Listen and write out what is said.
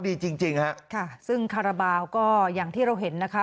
ดีจริงจริงฮะค่ะซึ่งคาราบาลก็อย่างที่เราเห็นนะคะ